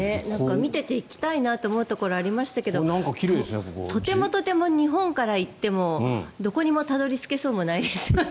見てて行きたいなと思うところありましたけどとてもとても日本から行ってもどこにもたどり着けそうにないですね。